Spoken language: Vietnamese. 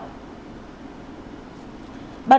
ba đối tượng bị bắt